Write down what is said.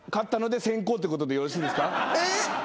えっ？